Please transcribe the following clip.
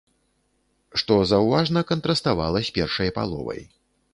Што заўважна кантраставала з першай паловай.